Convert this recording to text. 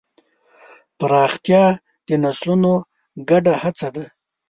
پراختیا د نسلونو ګډه هڅه ده.